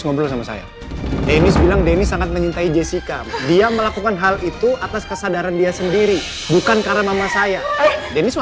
om tidak menggunakan hati nurani